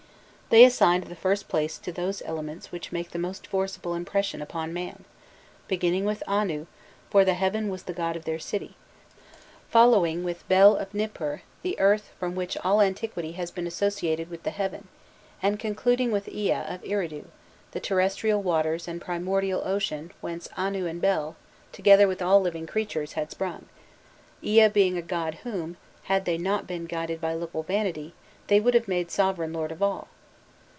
* They assigned the first place to those elements which make the most forcible impression upon man beginning with Anu, for the heaven was the god of their city; following with Bel of Nipur, the earth which from all antiquity has been associated with the heaven; and concluding with Ea of Eridu, the terrestrial waters and primordial Ocean whence Anu and Bel, together with all living creatures, had sprung Ea being a god whom, had they not been guided by local vanity, they would have made sovereign lord of all.